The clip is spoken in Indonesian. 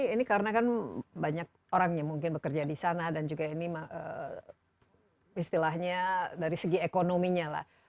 ini karena kan banyak orang yang mungkin bekerja di sana dan juga ini istilahnya dari segi ekonominya lah